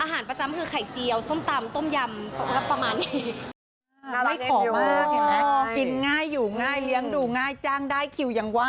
ประจำคือไข่เจียวส้มตำต้มยำประมาณนี้